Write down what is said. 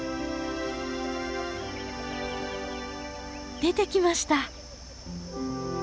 出てきました。